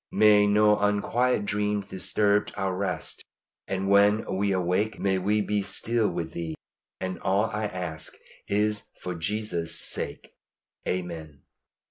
May no unquiet dreams disturb our rest, and when we awake may we be still with Thee. And all I ask is for Jesus' sake. Amen.